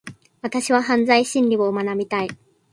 私は犯罪心理学を学びたい。